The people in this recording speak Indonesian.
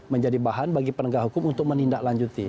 menjadi bahan bagi penegak hukum untuk menindaklanjuti